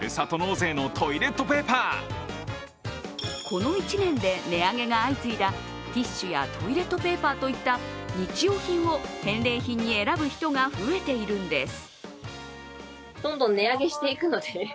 この１年で値上げが相次いだティッシュやトイレットペーパーといった日用品を返礼品に選ぶ人が増えているんです。